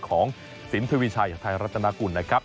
ของสินทวีชัยไทยรัฐนากุลนะครับ